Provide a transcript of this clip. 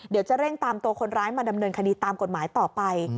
เดี๋ยวจะเร่งตามตัวคนร้ายมาดำเนินคดีตามกฎหมายต่อไป